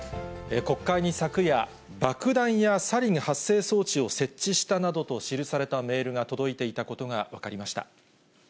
国会に昨夜、爆弾やサリン発生装置を設置したなどと記されたメールが届いていたことが分かりました。